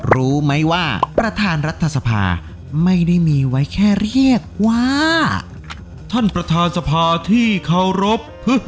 รู้ไหมว่าประธานรัฐสภาไม่ได้มีไว้แค่เรียกว่าท่านประธานสภาที่เคารพ